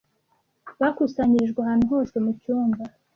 bakusanyirijwe ahantu hose mucyumba